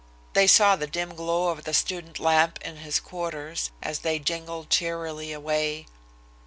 They saw the dim glow of the student lamp in his quarters, as they jingled cheerily away.